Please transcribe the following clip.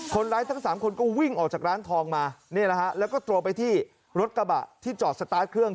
คนร้ายทั้งสามคนก็วิ่งออกจากร้านทองมาแล้วก็ตัวไปที่รถกระบะที่จอดสตาร์ทเครื่อง